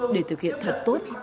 để thực hiện thật tốt